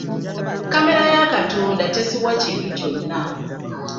Kkamera ya Katonda tesubwa kintu kyonna.